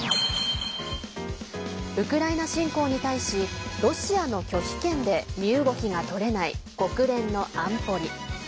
ウクライナ侵攻に対しロシアの拒否権で身動きが取れない国連の安保理。